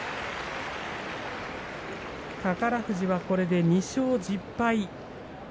宝富士はこれで２勝１０敗。